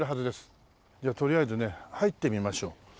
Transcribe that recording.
じゃあとりあえずね入ってみましょう。